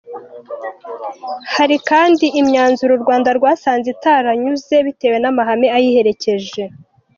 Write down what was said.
Hari kandi imyanzuro u Rwanda rwasanze itarunyuze bitewe n’amahame ayiherekeje.